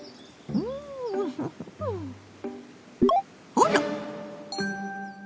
あら！